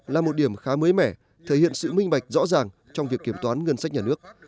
là một điểm khá mới mẻ thể hiện sự minh bạch rõ ràng trong việc kiểm toán ngân sách nhà nước